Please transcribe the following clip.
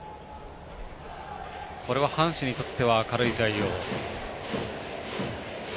これは阪神にとっては明るい材料。